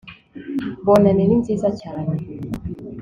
bonane ni nziza cyane